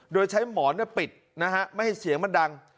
โดยใช้หมอนปิดนะฮะไม่ให้เสียงมันดัง